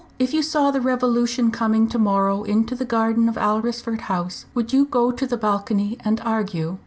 If you saw the Revolution coming to morrow into the garden of Alresford House, would you go to the balcony and argue?"